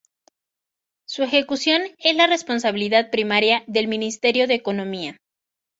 Su ejecución es la responsabilidad primaria del Ministerio de Economía.